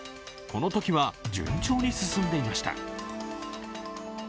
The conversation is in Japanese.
このときは順調に進んでいました。